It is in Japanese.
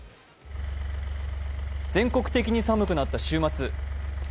全国的に寒くなった週末。